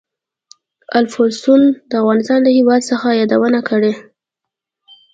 الفونستون د افغانستان له هېواد څخه یادونه کړې.